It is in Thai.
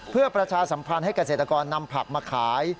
เพื่อประชาสัมพันธ์ให้เกษตรกรนำผักมาขาย